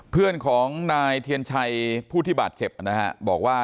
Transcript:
เพื่อนของนายเทียนชัยผู้ที่บาดเจ็บนะฮะบอกว่า